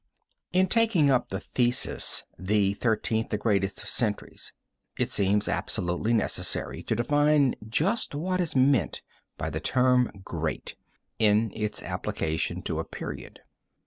In taking up the thesis, The Thirteenth the Greatest of Centuries, it seems absolutely necessary to define just what is meant by the term great, in its application to a period.